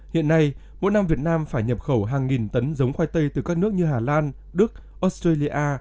hiện nay mỗi năm việt nam phải nhập khẩu hàng nghìn tấn giống khoai tây từ các nước như hà lan đức australia